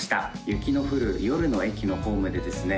雪の降る夜の駅のホームでですね